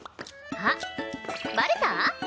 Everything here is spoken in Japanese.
あっバレた？